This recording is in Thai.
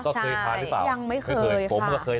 ก็เคยทานหรือเปล่าเดี๋ยวยังไม่เคยค่ะยังไม่เคย